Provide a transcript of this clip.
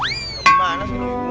gimana sih lu